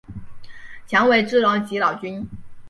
强为之容即老君。